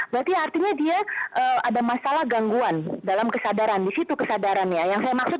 berarti artinya dia ada masalah gangguan dalam kesadaran disitu kesadarannya yang saya maksud